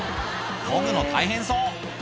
こぐの大変そう。